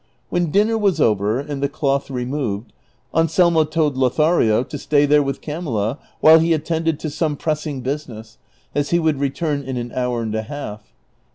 When dinner was over and the cloth removed, Anselmo told Lothario to stay there with Camilla while he attended to some press ing business, as he would return in an hour and a half.